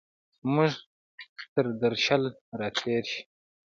زموږ تردرشل، را تېرشي